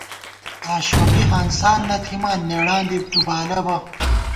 آشوقی ہانسان نہ تھِمان نېڑاں دی تُو بالہ بہ